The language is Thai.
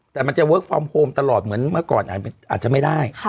แต่มันจะเวิร์คฟอร์มโฮมตลอดเหมือนเมื่อก่อนอาจจะไม่ได้